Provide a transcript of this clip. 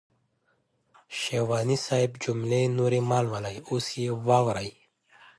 شېواني صاحب جملې نورې مهلولئ اوس يې واورئ.